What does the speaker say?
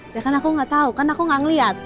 ya kan aku gak tau kan aku gak ngeliat